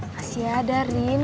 masih ada rin